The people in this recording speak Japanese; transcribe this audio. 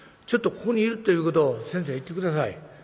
ちょっとここにいるっていうことを先生言って下さい。